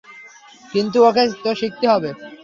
কিন্তু ওকে তো শিখতে হবে।